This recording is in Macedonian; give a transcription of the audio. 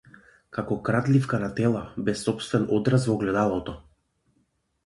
Како крадливка на тела, без сопствен одраз во огледалото.